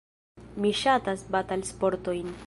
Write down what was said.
Mi ŝatas batalsportojn.